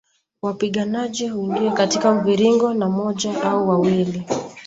Wapiganaji huingia katika mviringo na moja au wawili